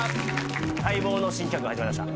待望の新企画が始まりました